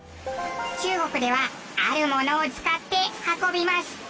中国ではあるものを使って運びます。